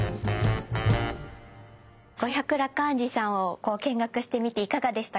五百羅漢寺さんを見学してみていかがでしたか？